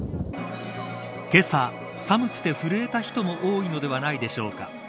けさ寒く震えた人も多いのではないでしょうか。